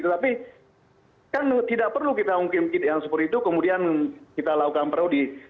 tetapi kan tidak perlu kita mungkin yang seperti itu kemudian kita lakukan prodi